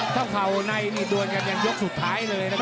ถ้าเขาในมีด้วยกันกันยังยกสุดท้ายเลยนะครับ